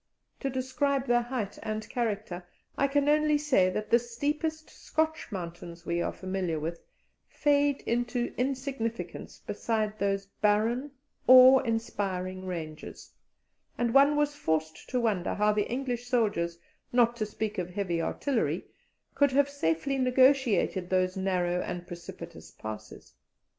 To describe their height and character, I can only say that the steepest Scotch mountains we are familiar with fade into insignificance beside those barren, awe inspiring ranges, and one was forced to wonder how the English soldiers not to speak of heavy artillery could have safely negotiated those narrow and precipitous passes.